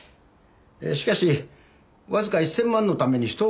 しかしわずか１０００万のために人を殺すかね？